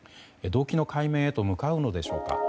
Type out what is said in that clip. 動機の解明へと向かうのでしょうか。